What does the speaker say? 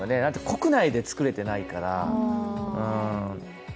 国内でつくれてないから。